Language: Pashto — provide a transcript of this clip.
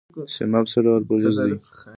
سیماب څه ډول فلز دی؟